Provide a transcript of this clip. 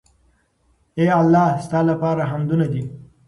اې الله ! ستا لپاره حمدونه دي